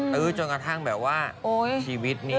ตื้อจนกระทั่งแบบว่าชีวิตนี้